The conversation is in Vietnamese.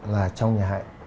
là trong nhà hạnh